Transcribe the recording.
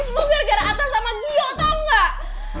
semoga gara gara atas sama gio tau gak